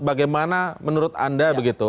bagaimana menurut anda begitu